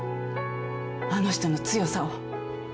あの人の強さを。